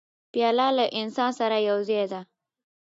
پیاله له انسان سره یو ځای ده.